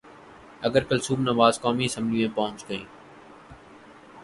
اگر کلثوم نواز قومی اسمبلی میں پہنچ گئیں۔